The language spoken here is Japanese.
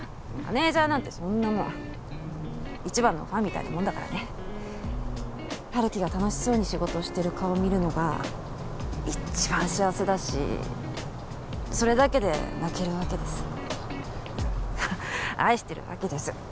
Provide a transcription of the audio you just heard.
マネージャーなんてそんなもん一番のファンみたいなもんだからね春樹が楽しそうに仕事してる顔見るのが一番幸せだしそれだけで泣けるわけです愛してるわけです